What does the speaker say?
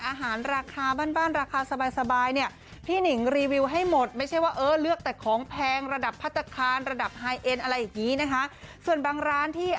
อาหารราคาบ้านราคาสบายนี่